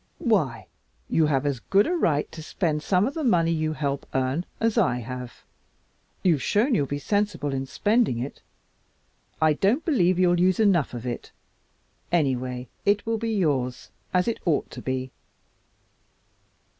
Why, you have as good a right to spend some of the money you help earn as I have. You've shown you'll be sensible in spending it. I don't believe you'll use enough of it. Anyway, it will be yours, as it ought to be."